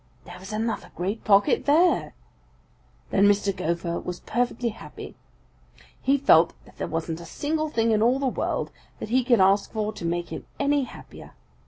"There was another great pocket there! Then Mr. Gopher was perfectly happy. He felt that there wasn't a single thing in all the world that he could ask for to make him any happier.